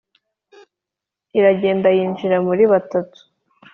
iragenda yinjira muri batatu.